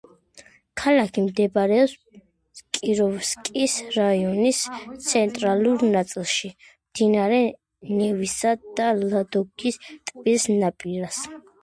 ქალაქი მდებარეობს კიროვსკის რაიონის ცენტრალურ ნაწილში, მდინარე ნევისა და ლადოგის ტბის ნაპირას.